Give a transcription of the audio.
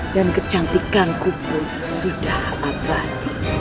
dan kecantikan kubur sudah abadi